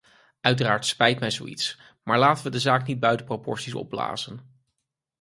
Uiteraard spijt mij zoiets, maar laten we de zaak niet buiten proporties opblazen.